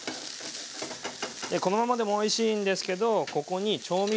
このままでもおいしいんですけどここに調味料。